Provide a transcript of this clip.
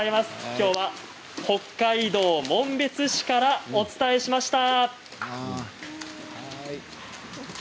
きょうは北海道紋別市からお伝えしました。